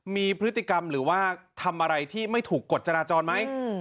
มีพฤติกรรมหรือว่าทำอะไรที่ไม่ถูกกฎจราจรไหม